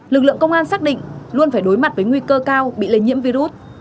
lực lượng công an xác định luôn phải đối mặt với nguy cơ cao bị lây nhiễm virus